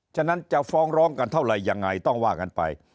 ฉะนั้นจะฟ้องร้องกันเท่าไหร่ยังไงต้องว่ากันไป